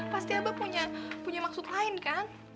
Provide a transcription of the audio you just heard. pasti abah punya maksud lain kan